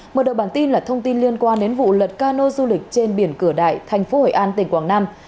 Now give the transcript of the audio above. mở đầu bản tin là thông tin liên quan đến vụ lật cano du lịch trên biển cửa đại thành phố hội an tỉnh quảng nam